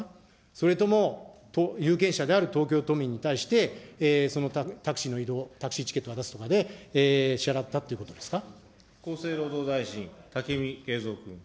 それとも有権者である東京都民に対して、そのタクシーの移動、タクシーチケットを渡すとかで支払ったっていうことですか。